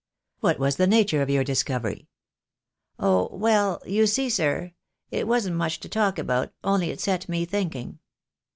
"What was the nature of your discovery?" "Oh, well, you see, sir, it wasn't much to talk about, only it set me thinking.